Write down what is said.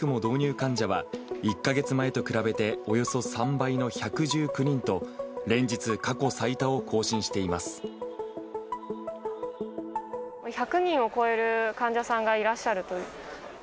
患者は、１か月前と比べて、およそ３倍の１１９人と、連日、過去最多を更１００人を超える患者さんがいらっしゃると。